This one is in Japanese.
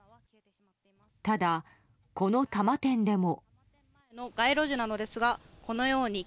ただ、この多摩店でも。